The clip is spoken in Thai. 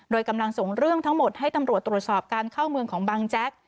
โดยกำลังส่งเรื่องทั้งหมดให้ตำรวจตรวจสอบการเข้าเมืองของบางแจ๊ก